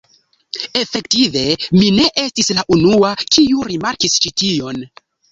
Efektive, mi ne estis la unua, kiu rimarkis ĉi tion.